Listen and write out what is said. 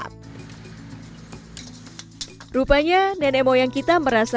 sebelumnya teknik memasak yang digunakan oleh penduduk nusantara adalah merebus mengukus membakar dan mengasap